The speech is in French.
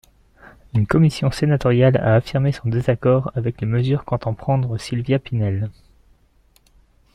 Une commission sénatoriale a affirmé son désaccord avec les mesures qu'entend prendre Sylvia Pinel.